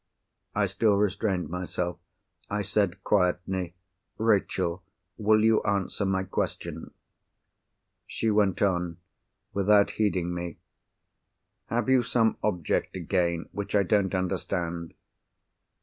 I still restrained myself. I said quietly, "Rachel, will you answer my question?" She went on, without heeding me. "Have you some object to gain which I don't understand?